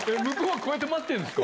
こうやって待ってるんですか？